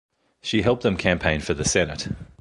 She helped him campaign for the Senate.